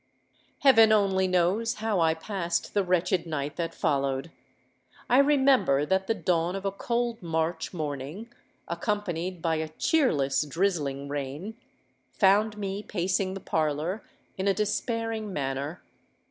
"Heaven only knows how I passed the wretched night that followed. I remember that the dawn of a cold March morning, accompanied by a cheerless drizzling rain, found me pacing the parlour in a despairing manner.